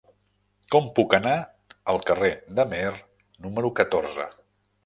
Com puc anar al carrer de Meer número catorze?